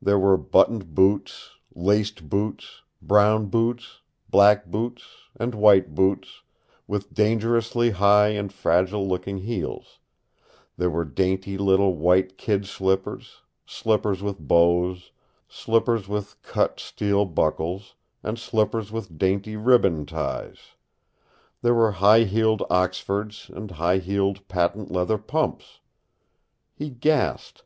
There were buttoned boots, laced boots, brown boots, black boots, and white boots, with dangerously high and fragile looking heels; there were dainty little white kid slippers, slippers with bows, slippers with cut steel buckles, and slippers with dainty ribbon ties; there were high heeled oxfords and high heeled patent leather pumps! He gasped.